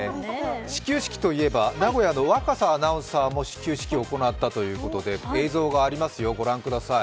始球式といえば名古屋の若狭アナウンサーも始球式を行ったということで、映像がありますよ、ご覧ください。